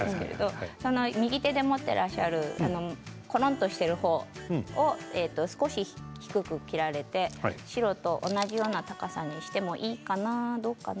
右手で持っていらっしゃるコロンとしているほうを少し低く切られて白と同じような高さにしてもいいかなどうかな。